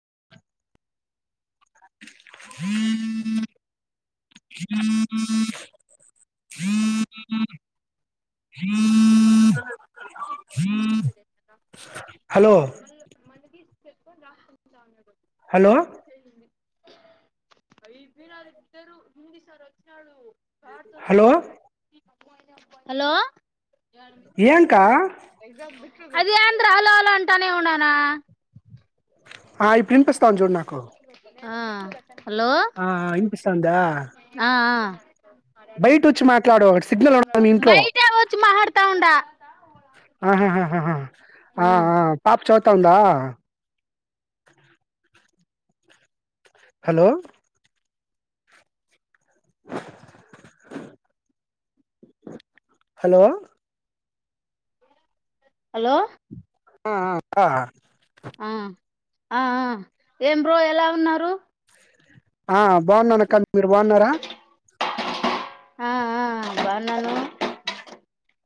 ఆ హ హలో మ మన చెప్పుకొని రాసుంటా ఉన్నాడు హలో అయబ నాద్దరు హింది సార్ వచ్చినళు క తనే హలో కొట్టే హలో ఏయాంక ఎ ఏది ఆంంద్రలోలో అంటానే ఉన్నానా ఆ ఇప్పుడు వినిపిస్తుంది తంజోరు నాకు ఆ హలో ఆ వినిపిస్తుందా సిగ్నల్ ఉండదు మీ ఇంట్లో బయట అవచ్చు మాహడతా ఉండా ఆహా ఆ పాపు చదువుతుందా హలో హలో హలో ఆ ఆ ఆ ఏం బ్రో ఎలా ఉన్నారు ఆ బాగున్నాను అక్క మీరు బాగున్నారా ఆ ఆ బాగున్నాను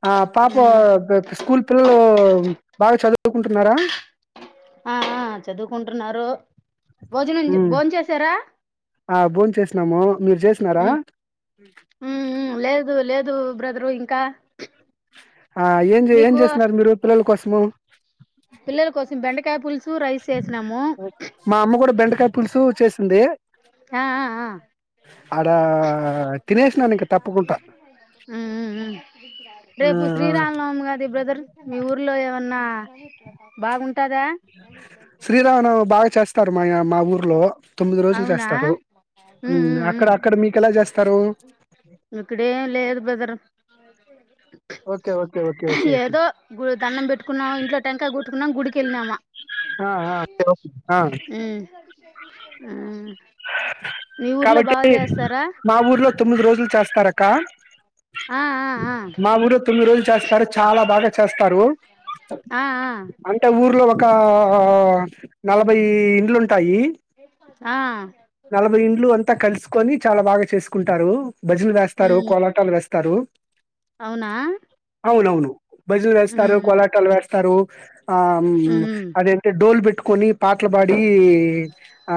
ఆ పాప ఉమ్ స్కూల్ పిల్లలు బాగా చదువుకుంటున్నారా ఆ ఆ చదువుకుంటున్నారు భోజనం ఉమ్ భోన చేసారా ఆ భోన్ చేసినాము మీరు చేసినారా ఉ ఉ ఉ లేదు లేదు అదు బ్రదరు ఇంకా ఆ ఏం ఏం మీకు చేస్తున్నారు మీరు పిల్లల కోసం ము పిల్లల కోసం బెండక య పులుసు రైస్ చేసినాము మా అమ్మ కూడా బండకా పులుసు చేసింది ఆ ఆ ఆ ఆడ తినేసినాను ఇంక తప్పకుంట ఆ రేపు ఆ శ్రీరామ్ నవం గది బ్రదర్ మీ ఊర్లో ఏమన్నా బాగుంటే శ్రీరామను బాగా చేస్తారు మా మా ఊర్లో తొమ్మిది రోజులు అవునా చేస్తారు మ్మ్ అక్కడ అక్కడ మీకు ఎలా చేస్తారు ఇక్కడేం లేదు brother okay okay okay okay okay ఏదో గు దండం పెట్టుకున్నాము ఇంట్లో టెంకా గు ట్న్నా గుడి వెెళనామా ఆ ఆ ఆ ఆ కాబట్టి చేస్తారా మా ఊర్లో తొమ్మిది రోజులు చేస్తారు అక్క కా ఆ ఆ మా ఆ ఊరు తొమ్మిది రోజులు చేస్తారు చాలా బాగా చేస్తారు ఆ ఆ అంటే ఊర్లో ఒక ఆ నలభై ఇండ్లు ఉంటే ఆ నలభై ఇండ్లు అంత కలుసుకొని చాలా బాగా చేసుకుంటారు బజలు చేస్తారు ఉమ్ కోలాటాలు వేస్తారు తరు అవునా అవునవును బజన చేస్తారు ఉమ్ కొలాటాలు వేస్తారు అ ఆ ఉమ్ అదేంత డోల్బట్టు కొన్ని పాటలు పాడి ఆ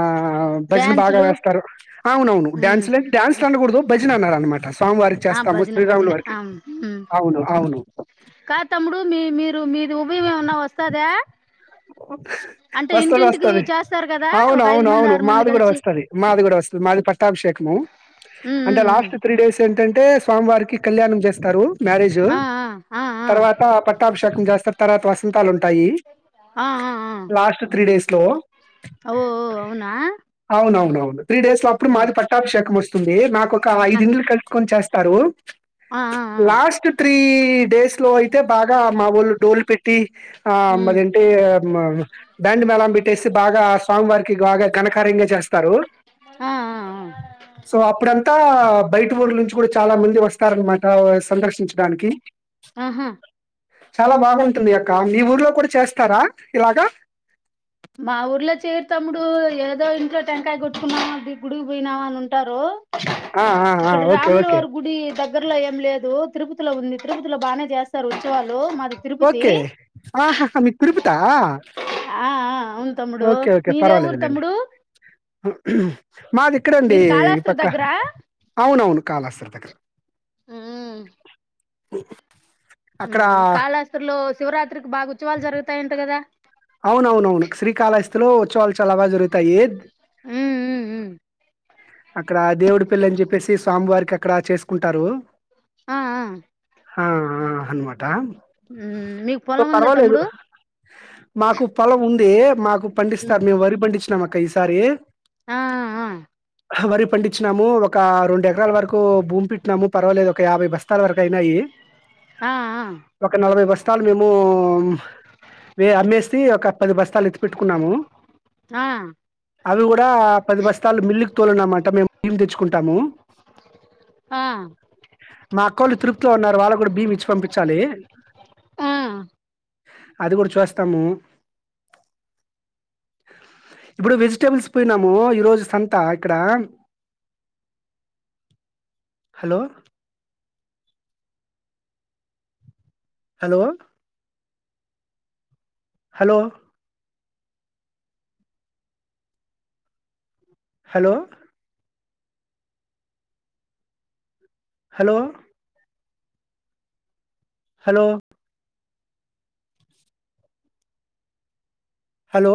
భజన్ బాగా డ్యాన్సులు వేస్తారు అవునవును ఉమ్ డాన్స్ లే డ్యాన్స్ లు అనకూడదు భజన్ అనాల్ అనమ స్వామి వారికి ఆ చేస్తాము భజన శ్రీరాముల భజన వారికి ఆ ఉమ్ అవును అవును రు మీరు మ న్న వస్తాదా వస్తదొస్తది చేస్తారు కదా అవున్ ఒక ఐదు అవును మంది అవును ఆరు మంది మాది కూడ కలిసి వస్తది మాది కూడా వస్ చు మాది పర్ పట్టాభిషేకము ఉమ్ అంటే ఉమ్ ఉమ్ లాస్ట్ త్రీ డేస్ ఏంటంటే స్వామివారికి కళ్యాణం చేస్తారు మ్యారేజు ఆ ఆ ఆ తర్వాత పట్టాభిషేకం చేస్తర్ తర్వాత వసంతాలు ఉం టయి ఆ ఆ ఆ త్రీ డేస్ లో ఆ ఓ ఓ అవునా అవునవునవును త్రీ డేస్ లో అప్పుడు ఉమ్ మాది పట్టాభిషేకం వస్తుంది నాకు ఒక ఐదు ఇండ్లు కలుపుకొని చేస్ టరు ఆ ఆ ఆ ఆ లాస్ట్ త్రీ డేస్ లో అయితే బాగా మావోలు డోల్ పెట్టి ఆ ఉమ్ మరి అంటే మా బ్యాండ్ మ్యాలం పెట్టేసి బాగా స్వామి వారికి బాగా ఘనకార్యంగా చేస్తారూ ఆ ఆ ఆ సో అప్పుడంతా బయట ఊర్లుంచి కూడ వచ్ చాలా మందీ వస్తారన్మాట సందర్శించడానికీ ఆహా చాలా బాగుంటుంది అక్క మీ ఊర్లో కూడ చేస్ తర ఇలాగ మా ఊర్లో చేరు తమ్ముడు ఏదో ఇంట్లో టెంకాయ కొట్టుకున్నామా ది గుడి పోయినా అని ఉ టరు ఆ! ఆ! ఆ! ఇక్కడ ఓకే. ఓకే. రాములవారి గుడి దగ్ నగర్ లో ఏం లేదూ తిరుపతిలో ఉంది తిరుపతిలో బానే చేస్తారు ఉత్సవాలు మాద్ ఓకే ఆహా హా మీ తిరుపతా ఆ ఆ అవును తమ్ముడు ఓకే ఓకే మీదే ఊరు పర్వాలేదులెండి తమ్ముడు ఉ హు మాది ఇక్కడే అండి మీది ఈ కాళాస్త్రి పక్క దగ్గరా ఔనవును కాళాస్తర్ దగ్గర ఊ అక్కడా త్రులో శివరాత్రికి బాగ ఉత్సవాల్ జరుగుతాయంట కదా ఔనవునవును శ్రీకాళహస్తిలో ఉచ్చవాల్ చాలా బా జరుగుతాయి ఉమ్ ఉమ్ ఉమ్ అక్కడ దేవుడి పెళ్ళి అని చెప్పేసి స్వామివారికి అక్కడ చేసుకుంటారు ఆ ఆ ఆ ఆ అన్మాట ఊ మీకు పొలం ఉందా తమ్ముడూ మాకు పొలం ఉండే మాక్ పు పండిస్తార్ మేం వరి పండిచ్ ష్నామక్క ఈ సారి ఆ ఆ అ వరి పండిచ్చినాము ఒక రెండెకరాల వరకూ భూమి పెట్నాము పర్వాలేదు ఒక యాభై బస్తాల వరక్ డైనాయి ఆ ఒక నలభై బస్ తాలు మేము వే అమ్మే కీ ఒక పది బస్తాలెత్తిపెట్టుకున్నామూ ఆ అవి వ ఇంకా పది బస్తాలు మిల్లుకు తోలినాం అంట మేం ఈం తెచ్చుకుంటాము ఆ మా అక్కోళ్ళు తిరుప్తి లో ఉన్నారు వాళ్ళకి గూడా బియ్యమిచ్చు పంపిచాలీ ఆఁ అది కూడా చేస్తాము ఇప్పుడు వెజిటబుల్స్ పోయినాము ఈరోజు సంత ఇక్కడ hello hello hello hello hello hello hello